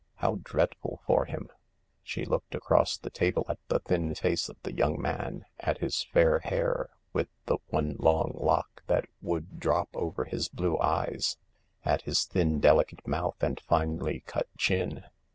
How dreadful for him !" She looked across the table at the thin face of the young man, at his fair hair, with the one long lock that would drop over his blue eyes — at his thin, delicate mouth and finely cut chin.